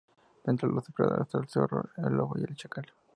Entre los depredadores están al zorro, lobo y el chacal.